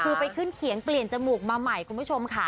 คือไปขึ้นเขียงเปลี่ยนจมูกมาใหม่คุณผู้ชมค่ะ